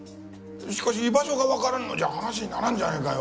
しかし居場所がわからんのじゃ話にならんじゃないかよ。